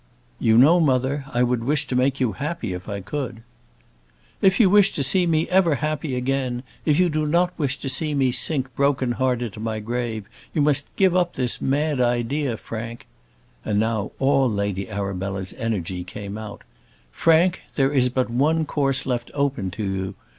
"You know, mother, I would wish to make you happy, if I could." "If you wish to see me ever happy again, if you do not wish to see me sink broken hearted to my grave, you must give up this mad idea, Frank," and now all Lady Arabella's energy came out. "Frank there is but one course left open to you.